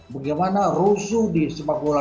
bagaimana rusuh di sepak bola